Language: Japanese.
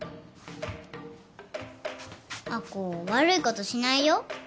亜子悪いことしないよ。